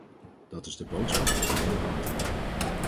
Dat is de boodschap voor beide kanten.